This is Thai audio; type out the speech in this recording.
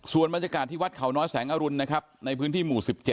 ส่วนบรรยากาศที่วัดเขาน้อยแสงอรุณนะครับในพื้นที่หมู่๑๗